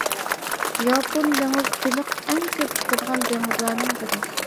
ياپون دېڭىزى بېلىق ئەڭ كۆپ چىقىدىغان دېڭىزلارنىڭ بىرى.